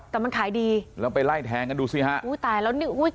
แต่มันขายดีแล้วไปไล่แทงกันดูสิฮะอุ้ยตายแล้วนี่อุ้ย